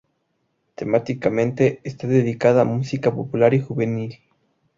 Temáticamente está dedicada a música popular y juvenil.